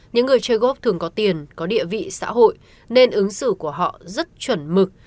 những người chơi gốc thường có tiền có địa vị xã hội nên ứng xử của họ rất chuẩn mực